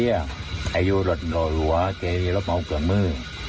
อยู่รถหล่อหลัวเกรย์รถมาเอาเกือบมือ